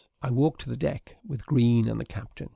I walked the deck with Green and the captain.